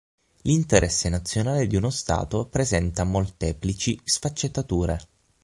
L'interesse nazionale di uno Stato presenta molteplici sfaccettature.